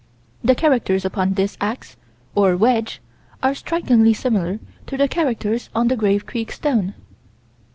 The characters upon this ax, or wedge, are strikingly similar to the characters on the Grave Creek stone.